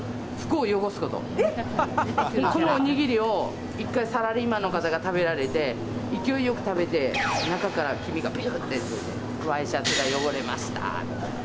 このおにぎりを、一回、サラリーマンの方が食べられて、勢いよく食べて、中から黄身がぴゅっと出て、ワイシャツが汚れましたって。